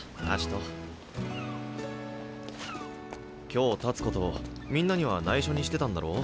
今日たつことをみんなにはないしょにしてたんだろ？